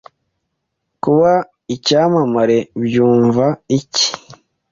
Kuba icyamamare byumva iki?